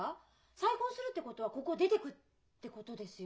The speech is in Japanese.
再婚するってことはここを出てくってことですよ。